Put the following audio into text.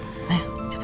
ya udah gak apa apa